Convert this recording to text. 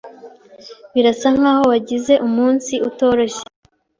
Birasa nkaho wagize umunsi utoroshye.